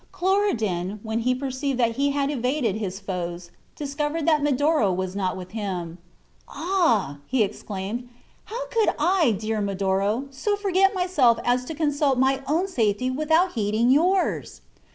Cloridan, when he perceived that he had evaded his foes, discovered that Medoro was not with him. "Ah!" exclaimed he, "how could I, dear Medoro, so forget myself as to consult my own safety without heeding yours?"